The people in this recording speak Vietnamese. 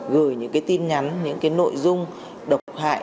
gửi những tin nhắn những nội dung độc hại